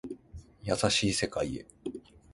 優しい世界へ